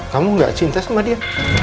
kamu gak cinta sama dia